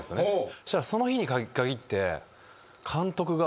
そしたらその日に限って。